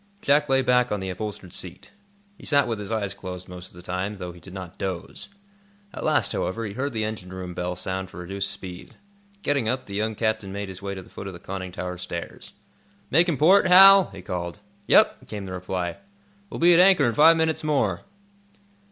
Jack lay back on the upholstered seat. He sat with his eyes closed most of the time, though he did not doze. At last, however, he heard the engine room bell sound for reduced speed. Getting up, the young captain made his way to the foot of the conning tower stairs. "Making port, Hal?" he called. "Yep," came the reply. "We'll be at anchor in five minutes more."